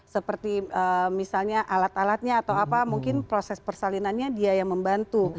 seperti misalnya alat alatnya atau apa mungkin proses persalinannya dia yang membantu